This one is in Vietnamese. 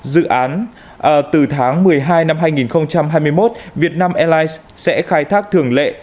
dự án từ tháng một mươi hai năm hai nghìn hai mươi một việt nam airlines sẽ khai thác thường lệ